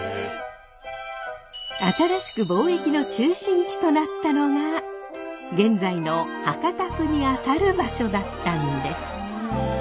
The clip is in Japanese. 新しく貿易の中心地となったのが現在の博多区にあたる場所だったんです。